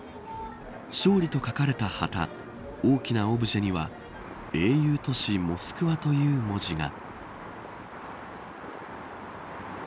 勝利と書かれた旗大きなオブジェには英雄都市・モスクワという文字が。